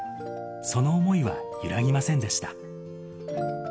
その想いは揺らぎませんでした。